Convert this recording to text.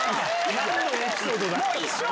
何のエピソードだ